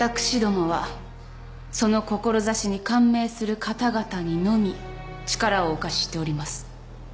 私どもはその志に感銘する方々にのみ力をお貸ししております。